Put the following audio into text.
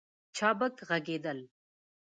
چابک ږغېدل